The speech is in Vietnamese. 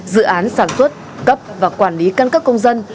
dự án sản xuất cấp và quản lý căn cấp công dân